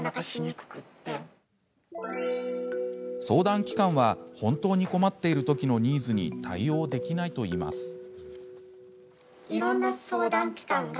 相談機関は本当に困っているときのニーズに対応できないといいます。